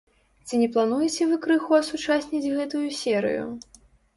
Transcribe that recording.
Ці не плануеце вы крыху асучасніць гэтую серыю?